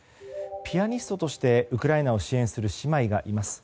ピアニストとしてウクライナを支援する姉妹がいます。